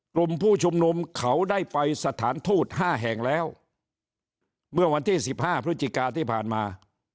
กลุ่มผู้ชุมนุมเขาได้ไปสถานทูตห้าแห่งแล้วเมื่อวันที่สิบห้าพฤศจิกาที่ผ่านมา